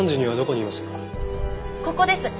ここです。